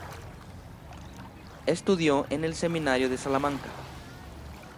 Estudió en el seminario de Salamanca.